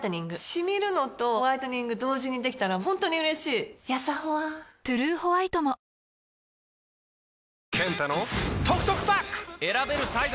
シミるのとホワイトニング同時にできたら本当に嬉しいやさホワ「トゥルーホワイト」もわかりました。